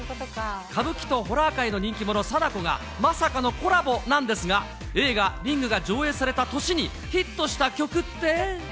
歌舞伎とホラー界の人気者、貞子が、まさかのコラボなんですが、映画、リングが上映された年にヒットした曲って。